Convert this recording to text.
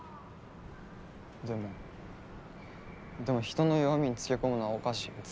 でもでも人の弱みにつけこむのはおかしい。